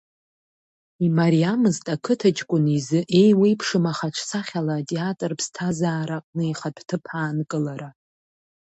Имариамызт ақыҭа ҷкәын изы еиуеиԥшым ахаҿсахьала атеатртә ԥсҭазаара аҟны ихатә ҭыԥ аанкылара.